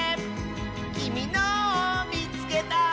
「きみのをみつけた！」